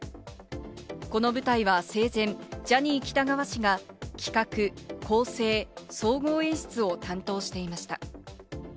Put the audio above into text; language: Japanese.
この舞台は生前、ジャニー喜多川氏が企画、構成、総合演出を担当していました。